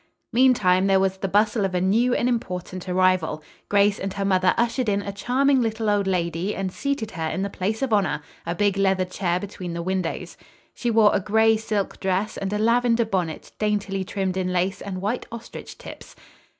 Meantime there was the bustle of a new and important arrival. Grace and her mother ushered in a charming little old lady and seated her in the place of honor, a big leather chair between the windows. She wore a gray silk dress and a lavender bonnet daintily trimmed in lace and white ostrich tips.